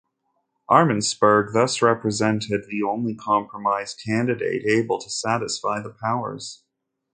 Armansperg thus represented the only compromise candidate able to satisfy the Powers.